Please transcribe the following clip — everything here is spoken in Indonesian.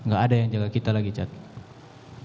gak ada yang jaga kita lagi cat